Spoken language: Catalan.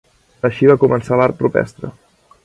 Així va començar l'art rupestre.